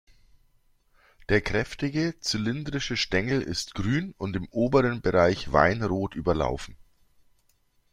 Der kräftige, zylindrische Stängel ist grün und im oberen Bereich weinrot überlaufen.